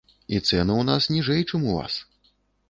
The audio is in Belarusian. І цэны ў нас ніжэй, чым у вас.